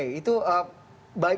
itu bagi sebagian